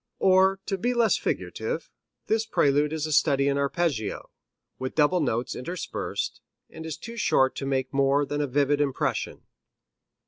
Or, to be less figurative, this prelude is a study in arpeggio, with double notes interspersed, and is too short to make more than a vivid impression.